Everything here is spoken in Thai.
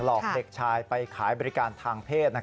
อกเด็กชายไปขายบริการทางเพศ